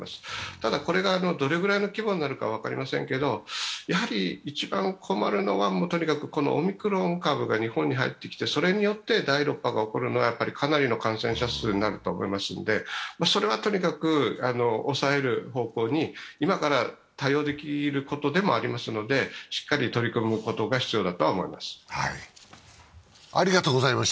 ただ、これがどれぐらいの規模になるか分かりませんけれども、やはり一番困るのは、とにかくこのオミクロン株が日本に入ってきてそれによって第６波が起こるのはかなりの感染者数になると思いますので、それはとにかく抑える方向に今から対応できることでもありますので、しっかり取り組むことが必要だと思います。